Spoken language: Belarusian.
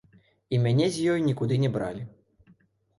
І мяне з ёй нікуды не бралі.